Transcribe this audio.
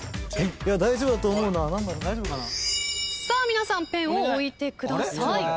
皆さんペンを置いてください。